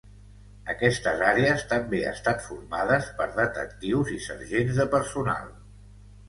Aquests àrees també estan formades per detectius i sergents de personal.